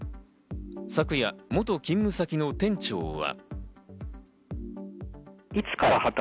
昨夜、元勤務先の店長は。